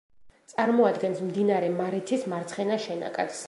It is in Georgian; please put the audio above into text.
წარმოადგენს მდინარე მარიცის მარცხენა შენაკადს.